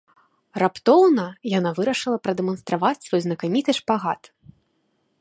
Раптоўна яна вырашыла прадэманстраваць свой знакаміты шпагат.